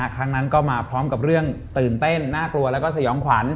ครั้งนั้นก็มาพร้อมกับเรื่องตื่นเต้นน่ากลัวแล้วก็สยองขวัญ